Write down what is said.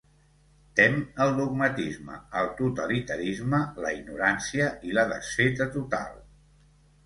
Tem el dogmatisme, el totalitarisme, la ignorància i la desfeta total.